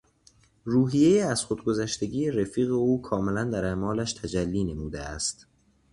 روحیهٔ از خود گذشتگی رفیق او کاملاً در اعمالش تجلی نموده است.